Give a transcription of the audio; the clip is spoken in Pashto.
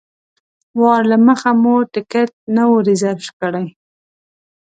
وار له مخه مو ټکټ نه و ریزرف کړی.